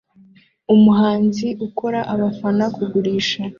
Umuhanzi ukora abafana kugurisha